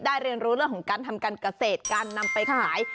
เรียนรู้เรื่องของการทำการเกษตรการนำไปขาย